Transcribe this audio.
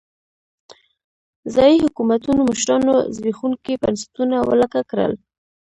ځايي حکومتونو مشرانو زبېښونکي بنسټونه ولکه کړل.